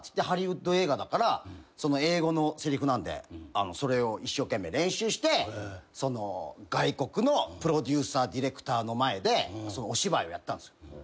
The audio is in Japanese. ハリウッド映画だから英語のせりふなんでそれを一生懸命練習して外国のプロデューサーディレクターの前でお芝居をやったんですよ。